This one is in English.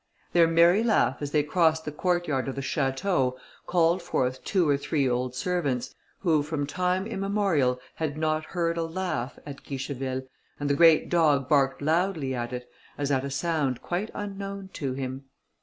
Their merry laugh as they crossed the court yard of the château, called forth two or three old servants, who, from time immemorial, had not heard a laugh at Guicheville, and the great dog barked loudly at it, as at a sound quite unknown to him.